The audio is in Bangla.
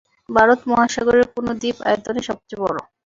ভারত মহাসাগরের কোন দ্বীপ আয়তনে সবচেয়ে বড়?